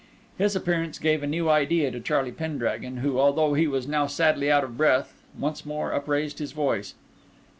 His appearance gave a new idea to Charlie Pendragon, who, although he was now sadly out of breath, once more upraised his voice.